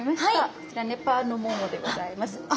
こちらネパールのモモでございます。